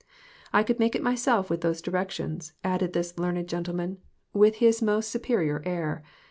"I could make it myself with those directions," added this learned gentleman, with his most TOTAL DEPRAVITY. 5! superior air.